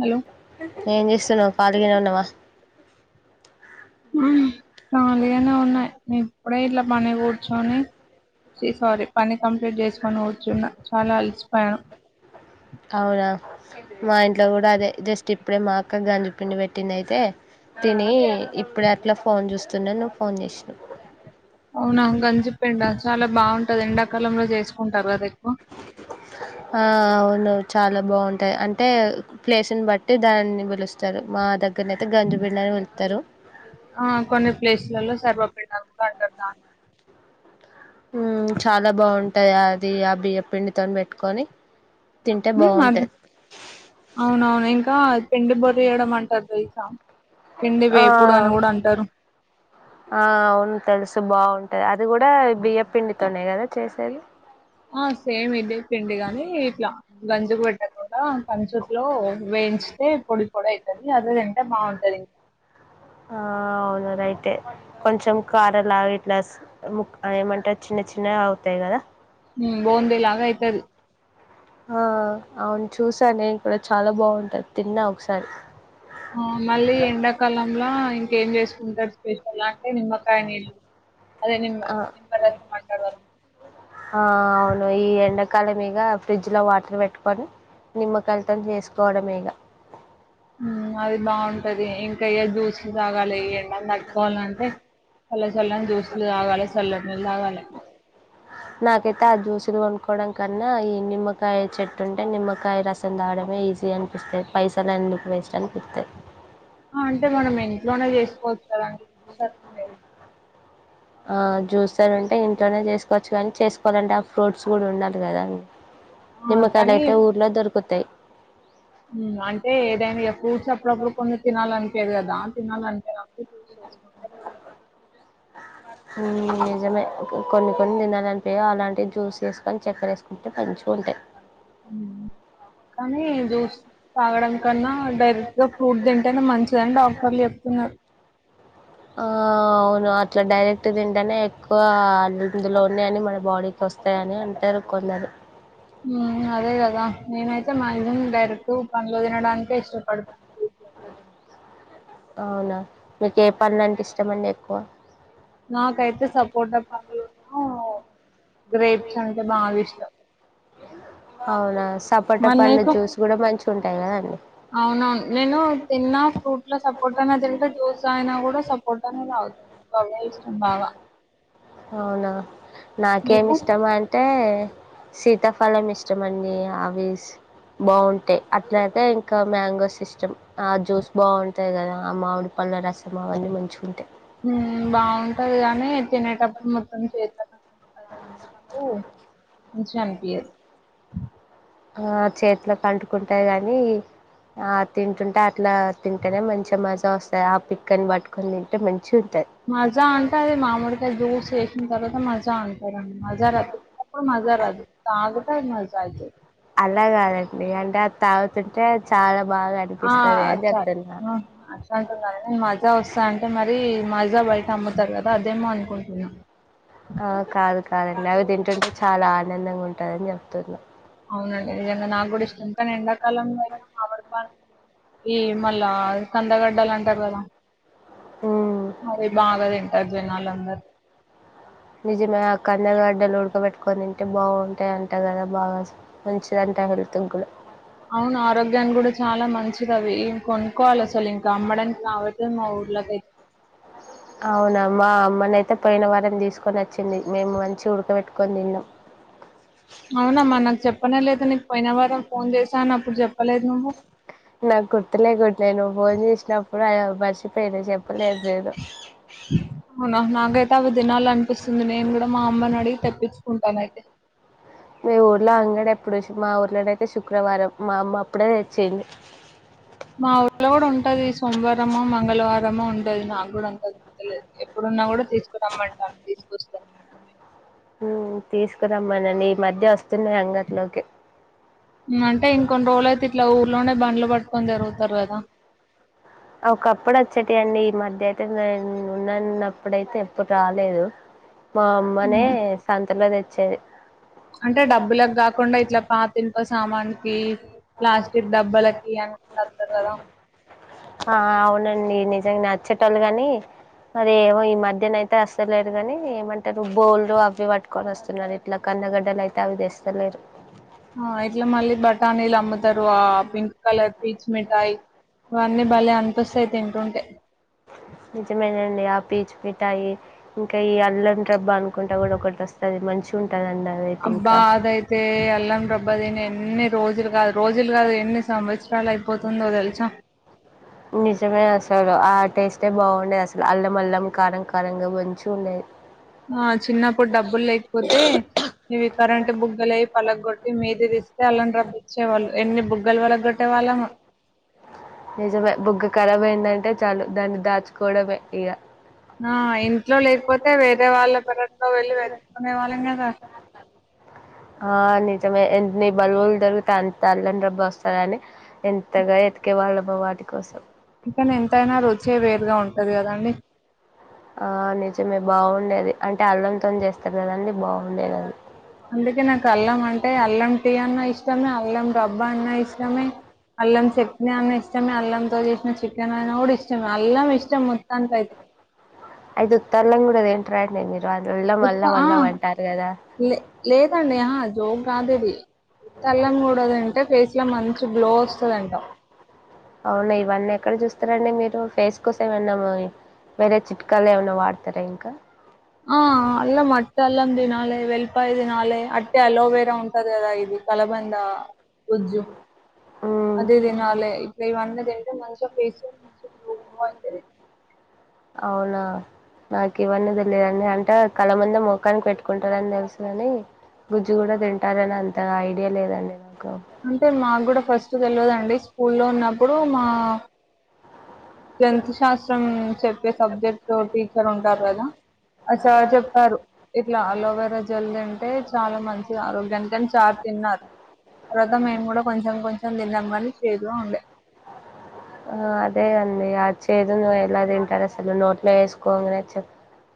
Hello ఎం చేస్తున్నావ్ ఖాళీగానే ఉన్నావా హు ఖాళీగానే ఉన్నాయి ఎం అప్పుడే ఇట్లా పని కూర్చొని చి సారీ పని కంప్లీట్ చేసుకొని కూర్చున్నా చాలా అలిసిపోయాను అవునా మా ఇంట్లో కూడా అదే జస్ట్ ఇప్పుడే మా అక్క గంజి పిండి పెట్టింది అయితే తిని ఇప్పుడే అట్లా ఫోన్ చూస్తున్నా నువ్వు ఫోన్ చేసినవ్ అవునా గంజి పిండా చాలా బాగుంటది ఎండాకాలంలో చేసుకుంటారు అది ఆ అవును చాలా బాగుంటాయి అంటే ప్లేస్ని బట్టి దాన్ని పిలుస్తారు మా దగ్గరనయితే గంజు పిండని పిలుత్తరు ఆ కొన్ని ప్లేస్లలో సర్వపిండి అనికూడా అంటారుదాని హ్మ్ చాలా బాగుంటాయి అది ఆ బియ్యం పిండితో పెట్టుకొని తింటే హ్మ్ అద బాగుంటది అవునవును ఇంకా పిండి బొరేయడం అంటారు తెలుసా పిండి ఆ వేపుడు అని కూడా అంటారు ఆ అవును తెలుసు బాగు అది కూడా బియ్య పిండితోనే కదా చేసేది ఆ సేమ్ ఇదే పిండి గాని ఇట్లా గంజుకు పెట్టకుండా కంచూట్లో వేయించితే పొడి పోడి అయితది అదే తింటే బాగుంటది ఇం టే కొంచెం కారలాగా ఇట్లా ము ఏమంటరూ చిన్న చిన్నగ అవుతాయి కదా ఉమ్, బూందీ లాగా అయితది ఆ అవును చూసా నేను కూడా చాలా బాగుంటది తిన్నా ఒకసారి ఆ మళ్ళీ ఎండాకాలంల ఇంకేం చేసు కుంటారు స్పెషల్ అన్ టే నిమ్మకాయ నిల్లు అదే నిమ్ నిమ్మరసం అంటారు కదా హా అవును ఈ ఎండాకాలం ఇగ ఫ్రిడ్జ్ లో వాటర్ పెట్టుకొని నిమ్మకాయాల్తోని చేసుకోవడమే ఇగ హ్మ్ అది బాగుంటది ఇంక ఏ జ్యూస్లు తాగాలే ఎండను అట్టుకోవాలాంటే సల్లసల్లాగ జ్యూసులు తగాలే నాకైతే ఆ జ్యూస్లు కొం కోవడం కన్నా ఈ నిమ్మకాయ చెట్టు ఉంటే నిమ్మకాయ రసం తాగడమే ఈజీ అనిపిస్తది పైసలు ఎందుకు వేస్ట్ అనిపిత్తది అంటే మనం ఇంట్లోనే చేసుకోవచ్చు కదండ్ సతే ఆ జ్యూసర్ ఉంటే ఇంట్లోనే చేసుకోవచ్చు కానీ చేసుకోవాలంటే ఆ ఫ్రూట్స్ కూడా ఉండాలి కదా అండి ఆ! నిమ్మకాయలు కానీ అయితే ఊర్లో దొరుకు తయి అంటే ఏదైనా ఇగ ఫ్రూట్స్ అప్పుడప్పుడు కొన్ని తినాలనిపియదు కదా తినాలంటే నాకు జ్యూస్ చేసుకుంటే బెటర్ నిజమే కొన్ని కొన్ని తినాలనిపియావు అలాంటివి జ్యూస్ చేసుకొని చెక్కెరేసుకుంటే మంచిగుంటయి కానీ జ్యూస్ తాగడం కన్నా డైరెక్ట్ గా ఫ్రూట్ తింటేనే మంచిదని డాక్టర్లు చెప్తున్నారు ఆ అవును అట్లా డైరెక్ట్ తింటేనే ఎక్కువ అందులో ఉన్నాయని మన బాడీకి వస్తాయని అంటారు కొందరు హు అదే కదా నేనైతే మాక్సిమం డైరెక్ట్ పండ్లు తినడానికే ఇష్టపడతా అవునా మీకు ఏ పండ్లు అంటే ఇష్టమ అండి ఎక్కువ నాకైతే సపోర్ట్ పండు ను అవునా సపోటా మరి పండు నీకు జ్యూస్ కూడా మంచి ఉంటాయి కదండి అవునవును నేను తిన్నా ఫ్రూట్ లో సపోర్ట్నే తింటే జ్యూస్ అయినా కూడా సపోర్ట్నే తాగుతా గవే ఇష్టం బాగా అవునా నీకు నాకేమిష్టమంటే సీతాఫలం ఇస్టమండి అవి బాగుంటయి అట్లాగే ఇంకా మ్యాంగోస్ ఇష్టం ఆ జ్యూస్ బాగుంటయి కదా ఆ మామిడి పళ్ళ రసం అవన్నీ మంచిగుంటయ్ బాగుంటది గాని తినేటప్పుడు మొత్తం చేత ఉ చాంపియన్ ఆ చేతిలో కంటుకుంటయి కాని ఆ తింటుంటే అట్లా తింటేనే మంచిగా మజ వస్తాయి ఆ పిక్కని పట్టుకొని తింటే మంచి మాజా అంటా అదే మామడుకాయ జ్యూస్ ఎ తర్వాత మజా అం ర మజా రాతుప్ప మజ రాదు తాగద మజా అయితే అలా కాదండి అంటే అది తాగుతుంటే చాలా బాగా ఆ అనిపిస్తది అని అచ్చ చెప్తున్నా అచ్చ అంటున్నారు నేను మజా వస్తా అంటే మరీ మజా బయట అమ్ముతారు కదా అదేమో [unintelligible] ఆ కాదు కాదండి అవి తింటుంటే చాల ఆనందంగా ఉంటుందని చెప్తున్నా అవునండి నిజంగా నా కూడా ఇస్ట్ కానీ కాలంలో అవర్ప ఈ మళ్ళా కందగడ్డలు అంటరు కదా ఉమ్ అదే బాగ తింటారు జనాలందర ఆ నిజమే ఆ కంద గడ్డలు ఉడకబెట్టుకొని తింటే బాగుంటయంట కదా బాగా మంచిదింట హెల్త్క్ కూడా అవును ఆరోగ్యాన్ని కూడా చాలా మంచిదవి కొనుక్కోవాలి అసలు ఇంకా అమ్మడానికి రావట్లేదు మా [unintelligible] అవునా మా అమ్మనైతే పోయిన వారంన తీసుకొనొచ్చిందివచ్చింది మేము మంచి ఉడకబెట్టుకొని తిన్నాం అవున మా నాకు చెప్పనే లేదు నీకు పోయిన వారం ఫోన్ చేశాను ఇప్పుడు చెప్పలేదు నువ్వు నాకు గుర్తులేకుండే నువ్వు ఫోన్ చేసినప్పుడు మర్చపోయిన చెప్ప అవునా నాకైతే అవి తినాలనిపిస్తుంది నేను కూడా మా అమ్మనడిగి తెప్పించుకుంటానయితే మీ ఊర్లో అంగడి ఎప్పుడు మా ఊర్లోనైతే శుక్రవారం మా అమ్మ అప్పుడే తెచ్చింది మా ఊర్లో కూడ ఉంటది సోమవారమ, మంగళవార ఎమో ఉంటది నాకు కూడా అంత గుర్తులేదు ఎప్పుడున్నా కూడ తీసుకు రమ్మంటాను తీసుకొస్తారు అంతే తీసుకురమ్మనండి ఈ మధ్య అ అంటే ఇంకొన్ని రోజులైతే ఇట్లాఊ ఇలనే బండ్లు పట్టుకొని తిరుగుతారు కదా ఒకప్పుడు వచ్చేటివి అండి ఈ మధ్య అయితే నేను ఉన్నాన్నప్పుడయితే ఎప్పుడు రాలేదు మా అమ్మనే ఉమ్, సంతలో తెచ్ చె [inaudible] అంటే డబ్బులకు కాకుండా ఇట్లా పాత ఇనుప సామాన్ కి ప్లాస్టిక్ డబ్బలకి అని వస్తారు కదా ఆ అవునండి నిజంగా నచ్చేటొ వాళ్ళు కాని మరి ఏమో ఈ మధ్యన అయితే వస్తలేరు ని ఏమంటారు బోలు అవి పట్టుకొని వస్తున్నారు ఇట్లా కందగడ్డలు అయితే అవి తెస్తలేరు ఆ ఏట్లా మళ్ళీ బఠానీ లం అమ్ముతారు పింక్ కలర్ పీచ్ మిఠాయి ఆ అని బలే అనిపిస్తాయి తిం కొంటే నిజమేనండి ఆ పీచ్ మిఠాయి ఇంకా ఈ అల్లం రెబ్బా అనుకుంటా కూడా ఒకటి వస్తాది మంచిగా ఉంట్ అబ్బా అదైతే అల్లం రెబ్బా దీని ఎన్ని రోజులు కాదు రోజులు కాదు ఎన్ని సంవత్స త్యాలేద్ నిజమే అస్సలు ఆ టేస్టే బాగుండేది అసలు అల్లం అల్లం కారం కారంగా మంచిగా ఉండేది నా చిన్నప్పుడు డబ్బులు లేకపోతే నువ్ ఈ కరెంటు బుగ్గల అయ్ పలగొట్టి మీదిస్తే అల్లం రెబ్బ ఇచ్చేవాళ్ళు ఎన్ని బుగ్గలు పలగొట్టే వాళ్ళమో నిజమే బుగ్గ కరాబ్ ఏంటంటే చాలు దాన్ని దాచుకోవడమే ఇగా ఆ ఇంట్లో లేకపోతే వేరే వాళ్ళ పెరట్లో వెళ్ళి వెతుక్కునే వాళ్ళం కదా ఆ నిజమే ఎన్ని బల్బులు దొరికితే అంత అల్లం రెబ్బ వస్తాదని ఎంతగా ఎతికేవాళ్ళమో వాటి కోసం చికె [unintelligible] న్ ఎంతైనా రుచి వేరుగా ఉంటాది కదండి ఆ నిజమే బాగుండేది అంటే అల్లంతోని చేస్తారు కాదండి బాగుండేది అందుకే నాకు అల్లం అంటే అల్లం టీ అన్న ఇష్ ఇష్టమే అల్లం రబ్బా అన్న ఇష్టమే అల్లం చట్నీ అన్నా ఇష్టమే అల్లం చేసిన చె [unintelligible] నోడు ఇష్టం అల్లం ఇష్టం మోత్తానికి అయితే అయితే ఉత్త అల్లం కూడా తింటారా అండి మీరు అల్లం ఉత్త అల్లం ఆ అల్లం అంటారు కదా లే లేదండి ఆ జోక్ కాదు ఇది ఉత్త అల్లం కూడా తింటే ఫేస్ లో మంచి గ్లో వస్తాది అంటా అవునా ఇవన్నీ ఎక్కడ చూస్తారు అండి మీరు ఫేస్ కోసం ఏమన్నా వేరే చిట్కాలు ఏమన్నా వాడతారా ఇంకా ఆ అల్లం వట్టి అల్లం తినాలి వెల్పయి తిన్ తినాలే అట్టే అలోవేరా ఉంటది కదా ఇది కలబంద గుజ్జు ఉమ్ అది తినాలే ఇప్పుడ ఇవన్న మ ఫేస మంచి గ్ [unintelligible] అవునా నాకు ఇవన్నీ తెలియదండి అంటే కళ్ళ ముంద మోఖానికి పెట్టుకుంటారని తెలుసు కాని గుజ్జు కూడా తింటారని అంత ఐడియా లేదండి నా అంటే మాకు కూడా ఫస్ట్ తెలియదుండి స్కూ లో ఉన్నప్పుడు మా టెన్త్ శాస్త్రం చెప్పే సబ్జెక్ట్ టీచర్ ఉంటారు కదా ఆ సార్ చెప్పారు ఇట్లా అలోవేరా జల్ అంటే చాలా మంచి ఆరోగ్యానికని సార్ తిన్నారు తర్వాత మేము కూడా కొంచెం కొంచెం తిన్నాం కానీ చేదుగా ఉండే ఆ అదే అండి అది చేదు నువ్వు ఎలా తింటారు అసలు్ నోట్లో వేసుకోగానే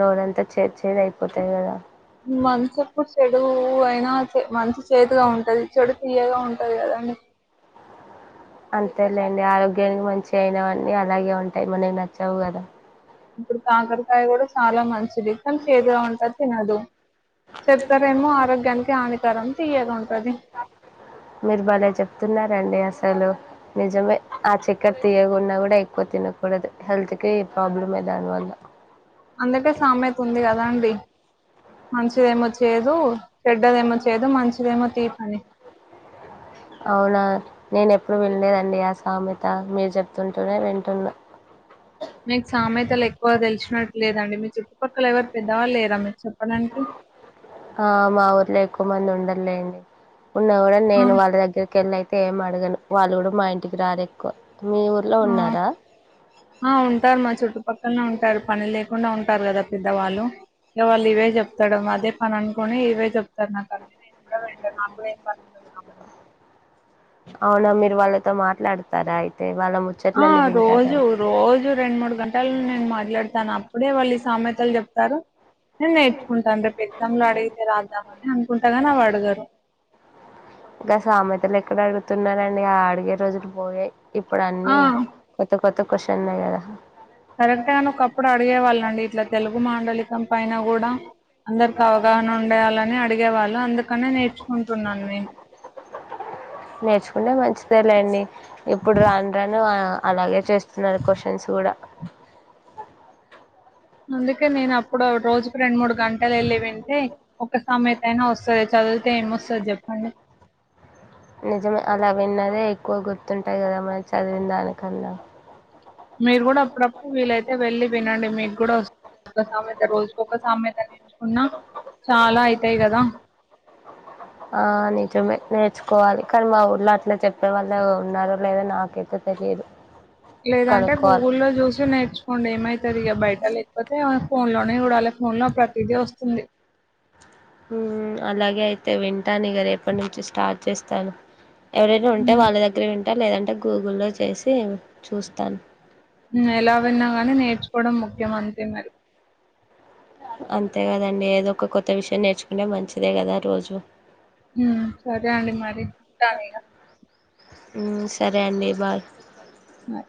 నోరంతా చేదు అయిపోతాయి కదా మనంచపు చెడు అయినా మంచి చేతిగా ఉంటది చెడు తీయగా ఉంటది కదండి అంతేలేండి ఆరోగ్యానికి మంచి అయినవన్నీ అలాగే ఉంటాయి మనం నచ్చావు కదా ఇప్పుడు కాకరకాయ కూడా చాలా మంచి చేదుగా ఉంటది తినదు చెక్కెరేమో ఆరోగ్యానికి హానికరం తీయగుంట పది మీరు బలే చెప్తున్నారండి అసలు నిజమే ఆ చెక్కర తీయగున్నా కూడా ఎక్కువ తినకూడదు హెల్త్ కి ప్రాబ్లమే దానివల్ల అందుకే సామెత ఉంది కదా అండి మంచిదేమో చేదు చెడ్డదేమో చేదు మంచిదేమో తీపని అవునా నేను ఎప్పుడు వినళ్లేదండి ఆ సామెత మీరు చెప్తుంటూనే వింటున్నా మీకు సామెతలు ఎక్కువ తెలిసినట్టు లేదండి మీ చుట్టుపక్కల ఎవరు పెద్దవాళ్ళు లేరా మీకు చె అనండి ఆ మా ఊరిలో ఎక్కువ మంది ఉండర్లెండి ఉన్నా కూడా ఆ నేను వాళ్ళ దగ్గరికెలైతే ఏమా అదన్డి వాళ్ళు కూడా మా ఇంటికి రారు ఎక్కువ మీ ఊర్లో ఆ ఉన్నారా ఆ ఉంటారు మా చుట్టుపక్కల ఇక్కనే ఉంటారు పని లేకుండా ఉంటారు కదా పెద్దవాళ్ళు ఇ వాళ్ళు ఇవే చెప్తాడు అదే పనం కని ఇవే చెప్తారు నాకంనీ నేను కూడా వింట నాకు కూడా ఏం పనుండది కాబట్టి అవునా మీరు వాళ్ళతో మాట్లాడతారా అయితే వాళ్ళ ఆ ముచ్చట్లన్నీ రోజు వింటారా రోజు రెండు మూడు గంటలు నేను మా మాట్లాడతాను అప్పుడే వాళ్ళు ఈ సామెతలు చెప్తారు నేను నేర్చుకుంటాను ఎగ్జామ్ లో అడిగితే రాద్దామ అని అనుకుంటాగాని అవి అడగరు ఇంకా సామెతలు ఎక్కడ అడుగుతున్నారండి ఆ అడిగే రోజులు పోయాయి ఇప్పుడు ఆ అన్నీ కొత్త కొత్త కొషన్ ఉన్నయి గదా కరెక్ట్ గానీ ఒకప్పుడు అడిగేవాళ్ళ అండి ఇట్లా తెలుగు మాండలికం పైన కూడా అందరికి అవగాహన ఉండేయాలని అడిగేవాళ్ళు అందుకనే నేర్చుకుంటున్నాను నేను నేర్చుకుంటే మంచిదే లేండి ఇప్పుడు రాను రాను ఆ అలాగే చేస్త అన్నారు క్వశ్చన్స్ కూడా అందుకే నేను అప్పుడు రోజుకు రెండు మూడు గంటలు వెళ్ళి వింటే ఒక సామెత అయినా వస్తది చదువు తి ఎమ్ మొస్తది జప్పండి నిజమే అలా విన్నదే ఎక్కువ గుర్తుంటాయి కదా మరి చదివిన దానికన్నా మీరు కూడా అప్పుడప్పుడు వీలైతే అయితే వెళ్ళలి వినండి మీకు కూడా ఒకా సమెత రోజుకొక్క సమెత నేర్చుకున్నా చాలా అయితాయి కదా ఆ నిజమే నేర్చుకోవాలి కానీ మా ఉర్లో అట్లా చెప్పే వాళ్ళు ఉన్నారుారో లేదా నాకైతే తెలియదు లేదంటే కనుక్కోవాలి గూగుల్లో చూసి నేర్చుకోండి ఏమైతే సరిగా బయట లేకపోతే ఫోన్ లోనే చూడాలి ఫోన్ లో ప్రతిదీ వస్తుంది ఉమ్ అలాగే అయితే వింటాను ఇగా రేపటి నుంచి స్టార్ట్ చేస్తాను ఎవరైనా ఉంట ఉమ్ వాళ్ళ దగ్గర విన్ టే లేదంటే గూగుల్లో చేసి చూస్తాను ఉమ్ ఎలా విన్నా గాని నేర్చుకోవడం ముఖ్యమం ఆంథే మరి అంతే కదండి ఏదో ఒక కొత్త విషయం నేర్చుకుంటే మంచిదే కదా రోజు ఉమ్ సరే అండి మరి ఉంటాను ఇగా ఉమ్ సరే అండి బై బై